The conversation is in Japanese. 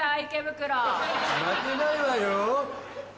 負けないわよ。